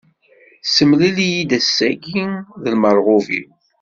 Ssemlil-iyi-d ass-agi d lmerɣub-iw.